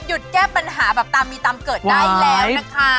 แก้ปัญหาแบบตามมีตามเกิดได้แล้วนะคะ